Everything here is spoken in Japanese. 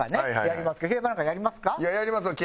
やりますよ。